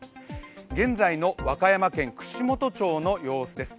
現在の和歌山県串本町の様子です。